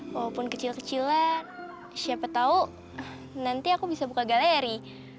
walaupun kecil kecilan siapa tahu nanti aku bisa buka galeri